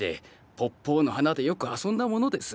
ぽっぽの花でよく遊んだものです。